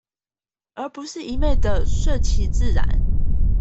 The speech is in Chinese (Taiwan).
而不是一昧地順其自然